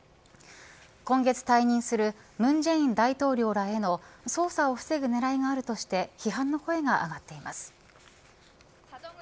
今月退任する文在寅大統領らへの捜査を防ぐ狙いがあるとして批判の声が上がっています。